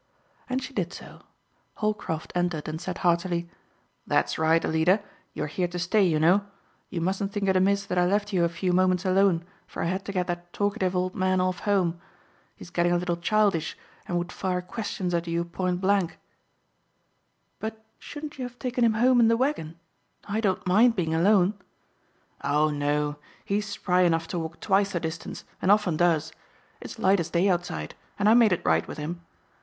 And she did so. Holcroft entered and said heartily, "That's right, Alida! You are here to stay, you know. You mustn't think it amiss that I left you a few moments alone for I had to get that talkative old man off home. He's getting a little childish and would fire questions at you point blank." "But shouldn't you have taken him home in the wagon? I don't mind being alone." "Oh, no! He's spry enough to walk twice the distance and often does. It's light as day outside, and I made it right with him.